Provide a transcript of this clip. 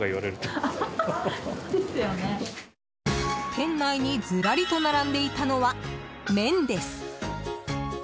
店内にずらりと並んでいたのは麺です。